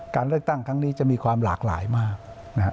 การเลือกตั้งครั้งนี้จะมีความหลากหลายมากนะครับ